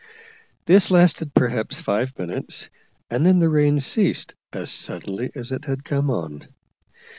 This lasted perhaps five minutes, and then the rain ceased as suddenly as it had come on.